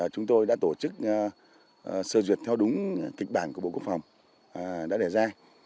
sơ duyệt theo đúng kịch bản của bộ quốc phòng đã đề ra